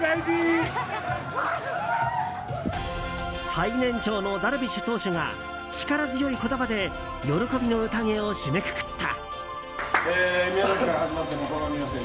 最年長のダルビッシュ投手が力強い言葉で喜びの宴を締めくくった。